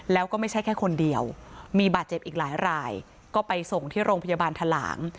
แล้วก็ไม่ใช่แค่คนเดียวมีบาดเจ็บอีกหลายรายก็ไปส่งที่โรงพยาบาลทะหลาง